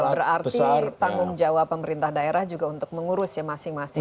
berarti tanggung jawab pemerintah daerah juga untuk mengurus ya masing masing